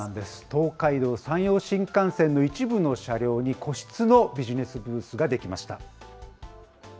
東海道・山陽新幹線の一部の車両に、個室のビジネスブースが出来ました。